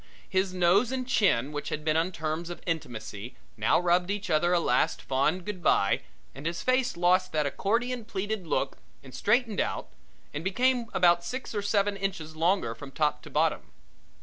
His nose and chin which had been on terms of intimacy now rubbed each other a last fond good bye and his face lost that accordion pleated look and straightened out and became about six or seven inches longer from top to bottom.